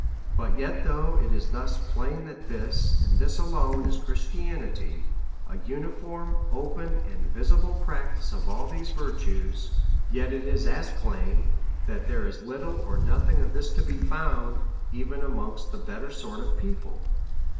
But yet though it is thus plain, that this and this alone is Christianity, an uniform, open, and visible practice of all these virtues ; yet it is as plain, thai B 4 8 A SERIOUS CALL TO A there is little or nothing of this to be found, even amongst the better sort of people.